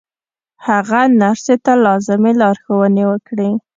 هغه نرسې ته لازمې لارښوونې وکړې